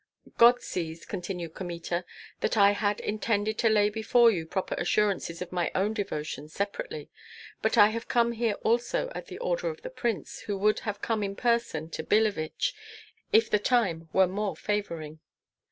"God sees," continued Kmita, "that I had intended to lay before you proper assurances of my own devotion separately, but I have come here also at the order of the prince, who would have come in person to Billeviche if the time were more favoring."